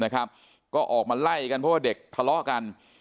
ก็ออกมาไล่กันเพราะว่าเด็กทะเลาะกัน